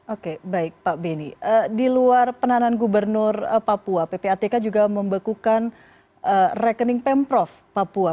oke baik pak beni di luar penahanan gubernur papua ppatk juga membekukan rekening pemprov papua